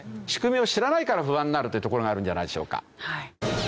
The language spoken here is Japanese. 仕組みを知らないから不安になるというところがあるんじゃないでしょうか。